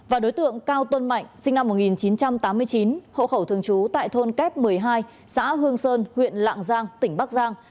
và đối tượng cao tuân mạnh sinh năm một nghìn chín trăm tám mươi chín hộ khẩu thường trú tại thôn kép một mươi hai xã hương sơn huyện lạng giang tỉnh bắc giang